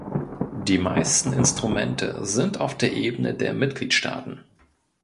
Die meisten Instrumente sind auf der Ebene der Mitgliedstaaten.